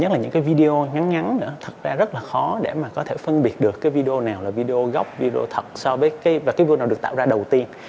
là những cái video ngắn ngắn nữa thật ra rất là khó để mà có thể phân biệt được cái video nào là video gốc video thật so với cái video nào được tạo ra đầu tiên